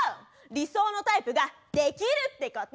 理想のタイプができるってこと！